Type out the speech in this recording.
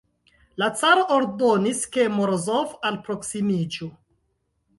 La caro ordonis, ke Morozov alproksimiĝu.